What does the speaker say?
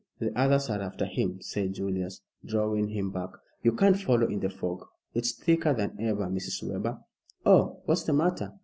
"The others are after him," said Julius, drawing him back. "You can't follow in the fog. It's thicker than ever. Mrs. Webber." "Oh, what's the matter?"